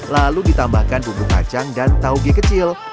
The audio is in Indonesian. lalu ditambahkan bumbu kacang dan tauge kecil